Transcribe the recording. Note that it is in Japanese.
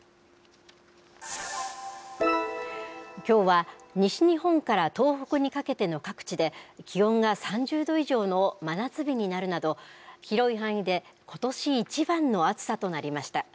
きょうは西日本から東北にかけての各地で気温が３０度以上の真夏日になるなど、広い範囲でことし一番の暑さとなりました。